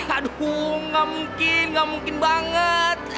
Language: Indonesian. aduh gak mungkin gak mungkin banget